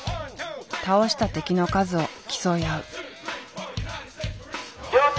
倒した敵の数を競い合う。